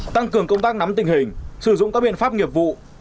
tăng cường công tác nắm tình hình sử dụng các biện pháp nghiệp vụ